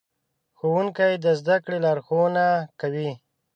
ښوونکي د زدهکړې لارښوونه کوي.